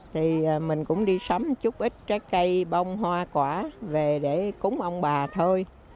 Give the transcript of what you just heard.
thì mình cũng đi sắm chúc ít trái cây bông hoa quả về để cúng ông bà thôi